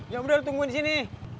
yaudah tungguin disini